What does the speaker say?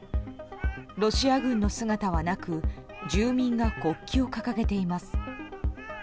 ロシア軍の姿はなく住民が国旗を掲げています。